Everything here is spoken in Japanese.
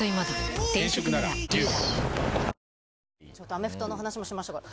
アメフトの話をしましょう。